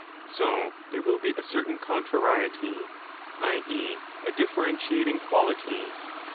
So there will be a certain contrariety, i.e. a differentiating quality